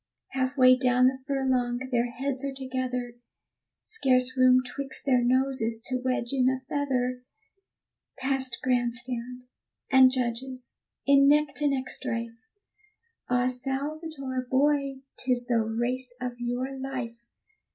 Half way down the furlong, their heads are together, Scarce room 'twixt their noses to wedge in a feather; Past grand stand, and judges, in neck to neck strife, Ah, Salvator, boy! 'tis the race of your life.